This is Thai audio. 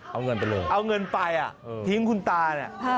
เอาเงินไปเลยอ่ะเอาเงินไปอ่ะทิ้งคุณตา